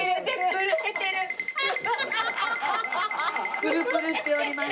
プルプルしております。